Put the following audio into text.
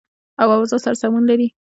او اوضاع سره سمون ولري